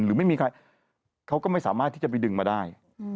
หรือไม่มีใครเขาก็ไม่สามารถที่จะไปดึงมาได้